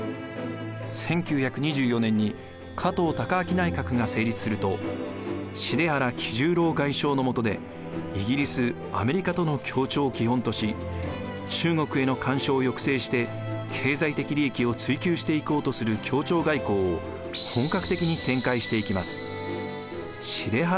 １９２４年に加藤高明内閣が成立すると幣原喜重郎外相のもとでイギリスアメリカとの協調を基本とし中国への干渉を抑制して経済的利益を追求していこうとする協調外交を本格的に展開していきます。